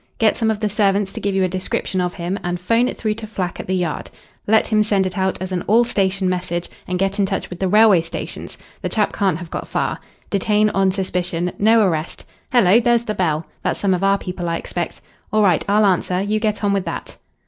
Get some of the servants to give you a description of him, and 'phone it through to Flack at the Yard. Let him send it out as an 'all station' message, and get in touch with the railway stations. The chap can't have got far. Detain on suspicion. No arrest. Hello, there's the bell. That's some of our people, I expect. All right, I'll answer. You get on with that."